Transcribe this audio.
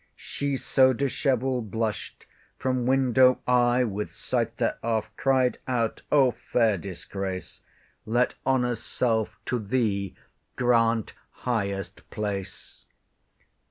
She, so dishevell'd, blush'd; from window I With sight thereof cried out, O fair disgrace, Let honour's self to thee grant highest place!